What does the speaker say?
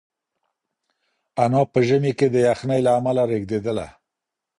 انا په ژمي کې د یخنۍ له امله رېږدېدله.